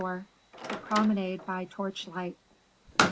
The Promenade by Torchlight.